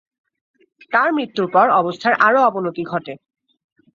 তার মৃত্যুর পর অবস্থার আরো অবনতি ঘটে।